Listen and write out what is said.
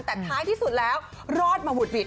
แต่ท้ายที่สุดแล้วรอดมาหุดหิด